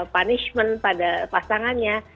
punishment pada pasangannya